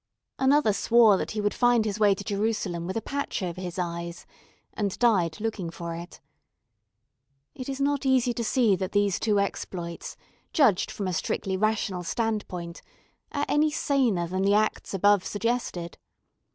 Another swore that he would find his way to Jerusalem with a patch over his eyes, and died looking for it. It is not easy to see that these two exploits, judged from a strictly rational standpoint, are any saner than the acts above suggested.